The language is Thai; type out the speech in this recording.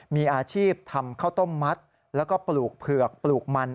มีอาชีพทำข้าวต้มมัดแล้วก็ปลูกเผือกปลูกมัน